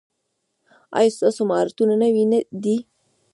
ایا ستاسو مهارتونه نوي دي؟